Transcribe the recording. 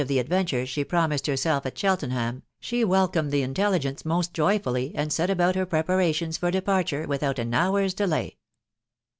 the adventures she promised' herself at Cheltenham, she wel corned the intelligence moat joyfully, and set about her pre paration* for departure without an hour's delay.